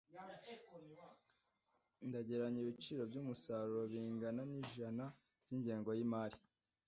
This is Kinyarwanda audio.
Ndagereranya ibiciro byumusaruro bingana na % byingengo yimari.